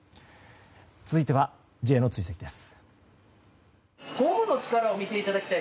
続いては、Ｊの追跡です。